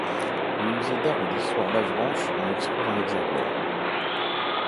Le musée d'art et d'histoire d'Avranches en expose un exemplaire.